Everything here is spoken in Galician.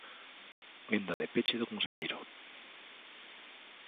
Quenda de peche do conselleiro.